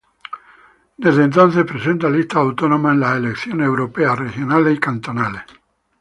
Desde entonces, presenta listas autónomas en las elecciones europeas, regionales y cantonales.